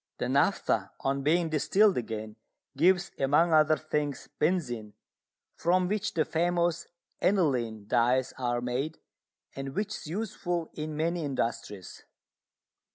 The naphtha, on being distilled again, gives, among other things, benzine, from which the famous aniline dyes are made, and which is useful in many industries.